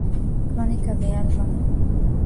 Crónica del alba.